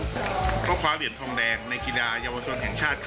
ก็คว้าเหรียญทองแดงในกีฬาเยาวชนแห่งชาติ